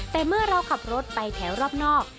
แต่เมื่อเราขับรถไปแถวรอบนอก